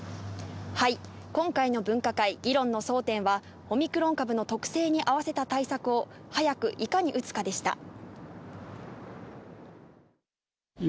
今回の分科会、議論の争点はオミクロン株の特性にあわせた対策をいかに早く打つかでした。